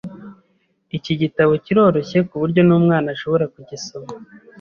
Iki gitabo kiroroshye kuburyo numwana ashobora kugisoma.